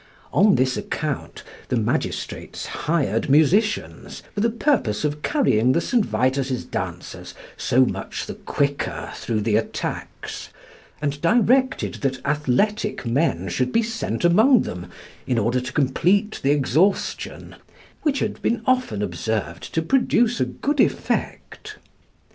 On this account the magistrates hired musicians for the purpose of carrying the St. Vitus's dancers so much the quicker through the attacks, and directed that athletic men should be sent among them in order to complete the exhaustion, which had been often observed to produce a good effect.